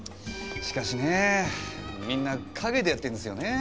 しかしねぇみんな陰でやってますよね。